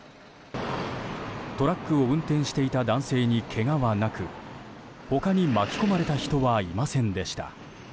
トラックを運転していた男性にけがはなく他に巻き込まれた人はいませんでした。